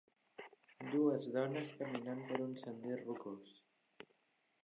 Dues dones caminant per un sender rocós.